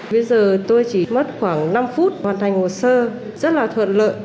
bây giờ tôi chỉ mất khoảng năm phút hoàn thành hồ sơ rất là thuận lợi